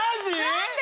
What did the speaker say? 何で？